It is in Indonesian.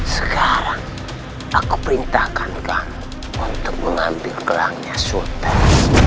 sekarang aku perintahkan kamu untuk mengambil kelangnya sultan